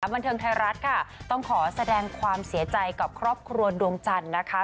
บันเทิงไทยรัฐค่ะต้องขอแสดงความเสียใจกับครอบครัวดวงจันทร์นะคะ